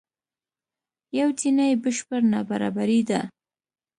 یو جیني بشپړ نابرابري ده.